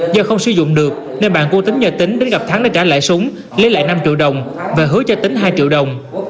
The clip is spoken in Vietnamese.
do không sử dụng được nên bạn cố tính nhờ tính đến gặp thắng để trả lại súng lấy lại năm triệu đồng và hứa cho tính hai triệu đồng